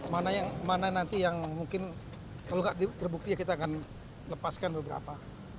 mana nanti yang mungkin kalau nggak terbukti ya kita akan lepaskan beberapa